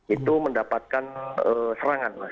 itu mendapatkan serangan